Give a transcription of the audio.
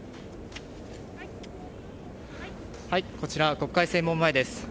こちら、国会正門前です。